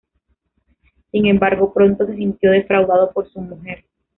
Sin embargo, pronto se sintió defraudado por su mujer.